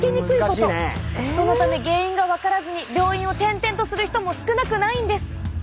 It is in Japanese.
そのため原因が分からずに病院を転々とする人も少なくないんです。